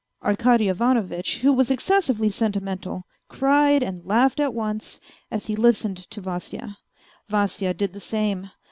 " Arkady Ivanovitch, who was excessively sentimental, cried and laughed at once as he listened to Vasya. Vasya did the same.